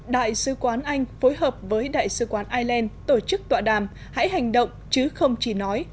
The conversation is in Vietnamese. đại sứ quán anh phối hợp với đại sứ quán ireland tổ chức tọa đàm hãy hành động chứ không chỉ nói